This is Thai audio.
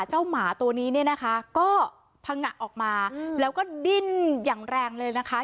หมาตัวนี้เนี่ยนะคะก็พังงะออกมาแล้วก็ดิ้นอย่างแรงเลยนะคะ